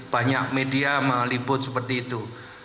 banyak media meliput seperti itu